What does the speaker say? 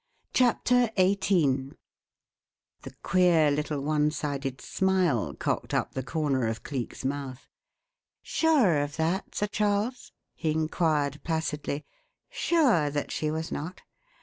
CHAPTER XVIII The queer little one sided smile cocked up the corner of Cleek's mouth. "Sure of that, Sir Charles?" he inquired placidly. "Sure that she was not?